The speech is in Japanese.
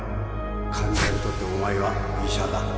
患者にとってお前は医者だ